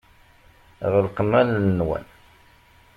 Ɣelqem allen-nwen.